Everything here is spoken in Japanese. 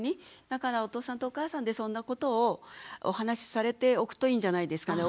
だからお父さんとお母さんでそんなことをお話しされておくといいんじゃないですかね。